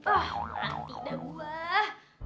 ah berhenti dah gue